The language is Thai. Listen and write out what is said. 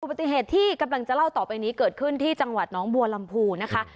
ปฏิเหตุที่กำลังจะเล่าต่อไปนี้เกิดขึ้นที่จังหวัดน้องบัวลำพูนะคะ